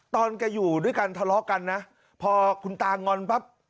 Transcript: ตอนเขาดูได้ทะเลาะกันนะพอคุณตาหงอนปั๊บ